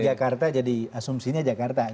jakarta jadi asumsinya jakarta